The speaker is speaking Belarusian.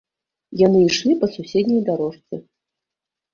Яны ішлі па суседняй дарожцы.